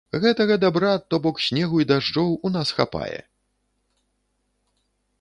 Гэтага дабра, то бок, снегу і дажджоў, у нас хапае.